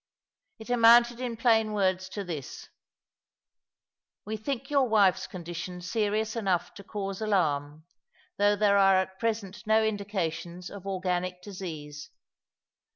It amounted in plain words to this : We think your wife's condition serious enough to cause alarm, although there are at present no indications of organic disease.